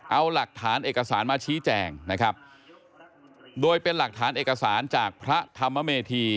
เอาหลักฐานเอกสารมาชี้แจงนะครับโดยเป็นหลักฐานเอกสารจากพระธรรมเมธี